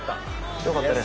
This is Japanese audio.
よかったです。